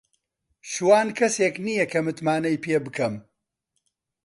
شوان کەسێک نییە کە متمانەی پێ بکەم.